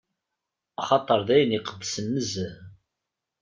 Axaṭer d ayen iqedsen nezzeh.